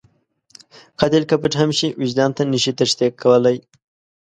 قاتل که پټ هم شي، وجدان ته نشي تېښته کولی